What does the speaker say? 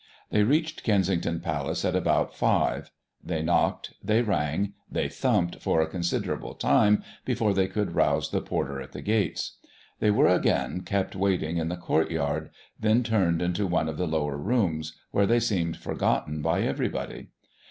They reached Kensington Palace at about five ; they knocked, they rang, they thumped for a considerable time before they could rouse the porter at the gates ; they were again kept waiting in the courtyard, then turned into one of the lower rooms, where they seemed forgotten by everybody.